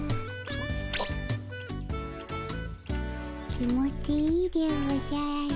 気持ちいいでおじゃる。